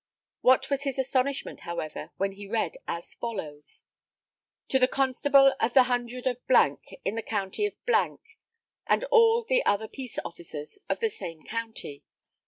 What was his astonishment, however, when he read as follows: "To the Constable of the Hundred of , in the County of , and all the other Peace Officers of the same County.